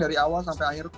dari awal sampai akhir